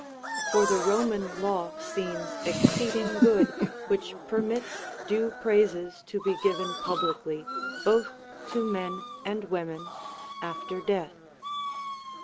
For the Roman law seems exceeding good, which permits due praises to be given publicly both to men and women after death.